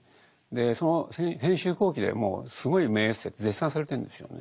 その編集後記でもすごい名エッセイと絶賛されてるんですよね。